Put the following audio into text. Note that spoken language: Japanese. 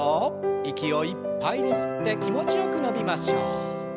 息をいっぱいに吸って気持ちよく伸びましょう。